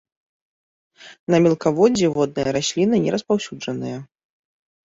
На мелкаводдзі водныя расліны не распаўсюджаныя.